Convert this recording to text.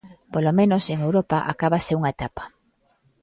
Polo menos en Europa acábase unha etapa.